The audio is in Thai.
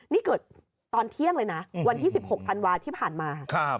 นี่เกิดตอนเที่ยงเลยนะวันที่๑๖ธันวาที่ผ่านมา